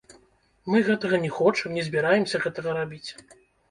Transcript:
Мы гэтага не хочам, не збіраемся гэтага рабіць.